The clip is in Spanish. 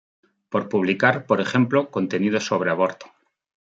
por publicar, por ejemplo, contenidos sobre aborto